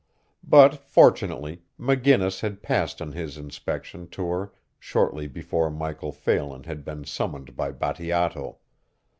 But, fortunately, McGinnis had passed on his inspection tour shortly before Michael Phelan had been summoned by Bateato.